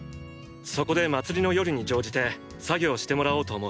そこで祭りの夜に乗じて作業してもらおうと思う。